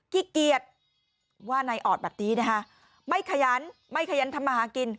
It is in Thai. ขี้เกียจว่านายออดแบบนี้นะคะไม่ขยันไม่ขยันทำมาหากิน